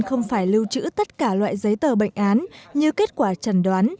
không phải lưu trữ tất cả loại giấy tờ bệnh án như kết quả trần đoán